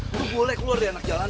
lo boleh keluar dari anak jalanan